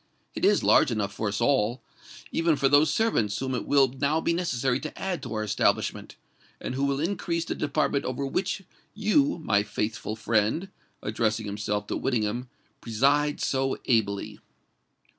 It is large enough for us all—even for those servants whom it will now be necessary to add to our establishment, and who will increase the department over which you, my faithful friend,"—addressing himself to Whittingham,—"preside so ably."